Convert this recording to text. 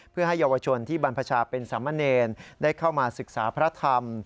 เพื่อให้เยาวชนที่บรรพชาเป็นสามเณรได้เข้ามาศึกษาพระธรรม